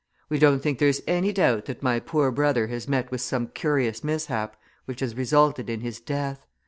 We don't think there's any doubt that my poor brother has met with some curious mishap which has resulted in his death.